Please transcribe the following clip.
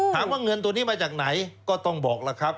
ถามว่าเงินตัวนี้มาจากไหนก็ต้องบอกล่ะครับ